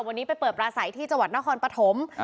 วันนี้ไปเปิดปลาใสที่จังหวัดนครปฐม